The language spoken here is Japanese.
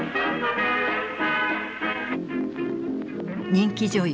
人気女優